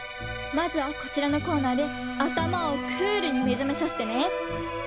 まずはこちらのコーナーであたまをクールにめざめさせてね。